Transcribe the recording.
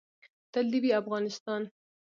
تل دې وي افغانستان